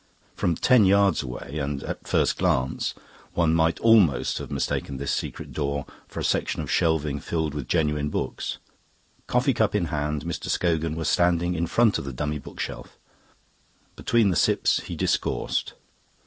From ten yards away and at a first glance, one might almost have mistaken this secret door for a section of shelving filled with genuine books. Coffee cup in hand, Mr. Scogan was standing in front of the dummy book shelf. Between the sips he discoursed.